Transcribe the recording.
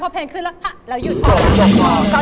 เพลงขึ้นแล้วหัะแล้วยุด